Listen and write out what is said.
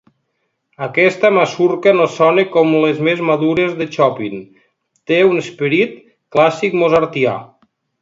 Aquesta masurca no sona com les més madures de Chopin; té un esperit clàssic mozartià.